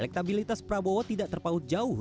elektabilitas prabowo tidak terpaut jauh